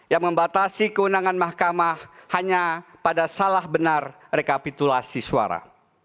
yang membatasi kewenangan mahkamah hanya pada salah benar rekapitulasi suara